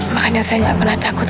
makanya saya nggak pernah takut